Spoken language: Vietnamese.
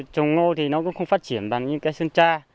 trồng ngô thì nó cũng không phát triển bằng những cây sơn tra